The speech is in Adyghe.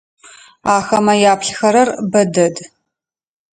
Ахэмэ яплъыхэрэр бэ дэд.